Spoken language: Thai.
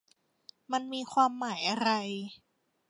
มันมีความหมายอะไร ?